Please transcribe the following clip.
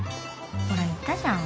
ほら言ったじゃん。